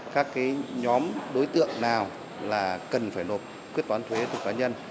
các nhóm đối tượng nào là cần phải nộp quyết toán thuế thuộc cá nhân